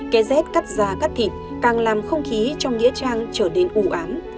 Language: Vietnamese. cái z cắt da cắt thịt càng làm không khí trong nghĩa trang trở đến ủ án